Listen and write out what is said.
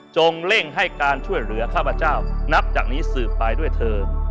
เร่งให้การช่วยเหลือข้าพเจ้านับจากนี้สืบไปด้วยเธอ